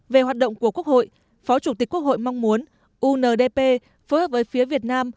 về hoạt động của quốc hội phó chủ tịch quốc hội mong muốn undp phối hợp với phía việt nam